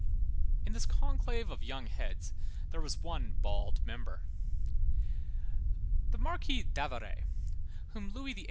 In this conclave of young heads, there was one bald member. The Marquis d'Avaray, whom Louis XVIII.